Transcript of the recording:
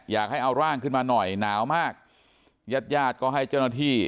อยากให้เอาร่างขึ้นมาหน่อยหนาวมากญาติญาติก็ให้เจ้าหน้าที่